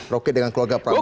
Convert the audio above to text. rocky dengan keluarga prabowo